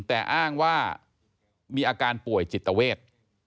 แต่อ้างว่ามีอาการป่วยจิตเวท